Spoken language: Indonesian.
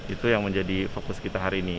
itu yang menjadi fokus kita hari ini